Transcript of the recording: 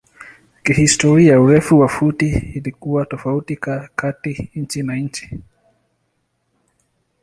Kihistoria urefu wa futi ilikuwa tofauti kati nchi na nchi.